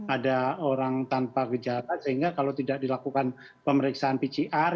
ada orang tanpa gejala sehingga kalau tidak dilakukan pemeriksaan pcr